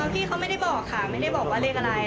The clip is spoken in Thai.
พี่เขาไม่ได้บอกค่ะไม่ได้บอกว่าเลขอะไร